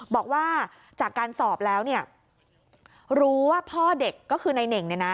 บอกว่าจากการสอบแล้วเนี่ยรู้ว่าพ่อเด็กก็คือนายเหน่งเนี่ยนะ